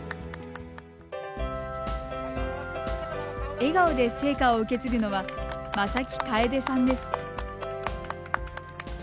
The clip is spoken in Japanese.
笑顔で聖火を受け継ぐのは正木楓さんです。